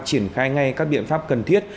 triển khai ngay các biện pháp cần thiết